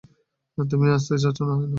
তুমি আসতে চাচ্ছ কেন?